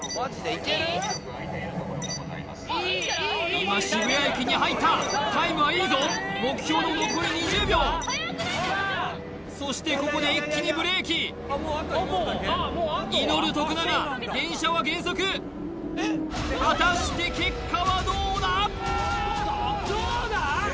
今渋谷駅に入ったタイムはいいぞ目標の残り２０秒そしてここで一気にブレーキ祈る徳永電車は減速果たして結果はどうだ？